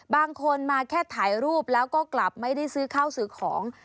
บางคนมาแค่ถ่ายรูปแล้วก็กลับไม่ได้ซื้อข้าวซื้อของ